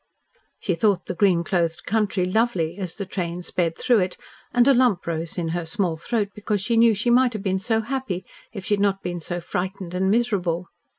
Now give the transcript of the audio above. She thought the green clothed country lovely as the train sped through it, and a lump rose in her small throat because she knew she might have been so happy if she had not been so frightened and miserable.